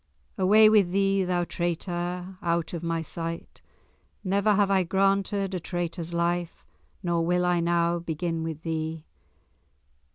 "Away with thee, thou traitor, out of my sight! Never have I granted a traitor's life, nor will I now begin with thee!"